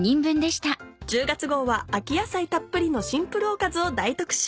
１０月号は秋野菜たっぷりのシンプルおかずを大特集。